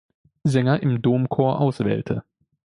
Sänger im Domchor auswählte.